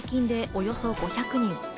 およそ５００人。